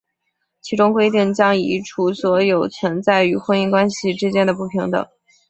其中规定将移除所有存在于婚姻关系之间的不平等。